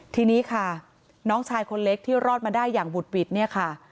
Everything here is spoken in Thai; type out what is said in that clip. ทีนี้ค่ะน้องชายคนเล็กที่รอดมาได้อย่างบุดหวิดเนี่ยค่ะ